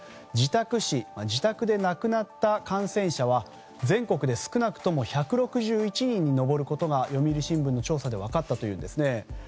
自宅死、自宅で亡くなった感染者は全国で少なくとも１６１人に上ることが読売新聞の調査で分かったというんです。